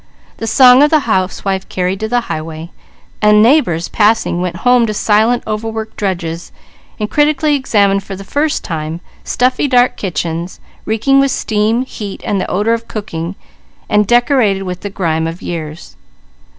The song of the housewife carried to the highway. Neighbours passing went home to silent, overworked drudges, and critically examined for the first time stuffy, dark kitchens, reeking with steam, heat, and the odour of cooking and decorated with the grime of years.